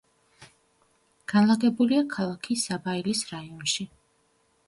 განლაგებულია ქალაქის საბაილის რაიონში.